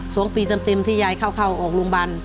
สองปีเต็มเต็มที่ยายเข้าออกโรงพยาบาล